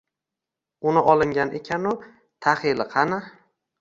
Uni olingan ekanu tahili qani.